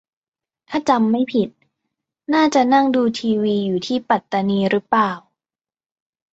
ถ้าจำไม่ผิด น่าจะนั่งดูทีวีอยู่ที่ปัตตานีรึเปล่า ?